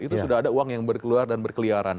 itu sudah ada uang yang berkeluar dan berkeliaran